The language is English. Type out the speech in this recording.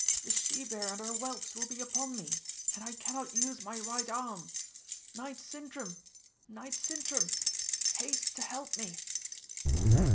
The she bear and her whelps will be upon me, and I cannot use my right arm! Knight Sintram, knight Sintram, haste to help me!"